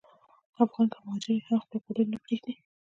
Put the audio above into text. افغان که مهاجر وي، هم خپل غرور نه پرېږدي.